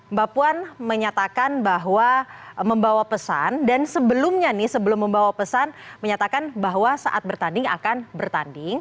mbak puan menyatakan bahwa membawa pesan dan sebelumnya nih sebelum membawa pesan menyatakan bahwa saat bertanding akan bertanding